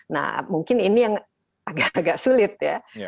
nah mungkin ini yang agak agak sulit ya